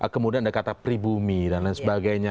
kemudian ada kata pribumi dan lain sebagainya